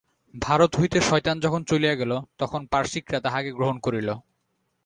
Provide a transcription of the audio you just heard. ভারত হইতে শয়তান যখন চলিয়া গেল, তখন পারসীকরা তাহাকে গ্রহণ করিল।